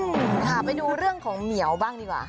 ค่ะไปดูเรื่องของเหมียวบ้างดีกว่า